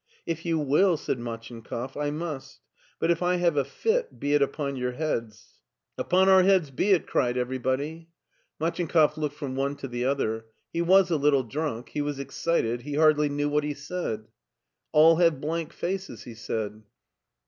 " If you will," said Machinkoff, " I must; but if I have a fit, be it upon your heads." 136 MARTIN SCHULER " Upon our heads be it/' cried everybody. MachinkoflF looked from one to the other. He was a little drunk, he was excited, he hardly knew what he said. " All have blank faces," he said.